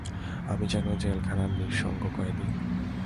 আমি যেন জেলখানার নিঃসঙ্গ কয়েদী।